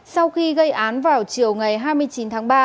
sau khi gây án vào chiều ngày hai mươi chín tháng ba